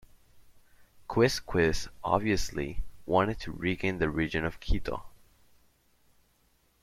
Quizquiz, obviously, wanted to regain the region of Quito.